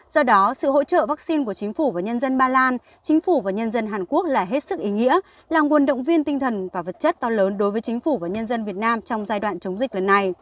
do đó sự hỗ trợ vaccine của chính phủ và nhân dân ba lan chính phủ và nhân dân hàn quốc là hết sức ý nghĩa là nguồn động viên tinh thần và vật chất to lớn đối với chính phủ và nhân dân việt nam trong giai đoạn chống dịch lần này